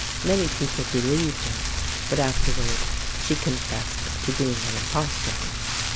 Many people believed her; but afterward she confessed to being an impostor.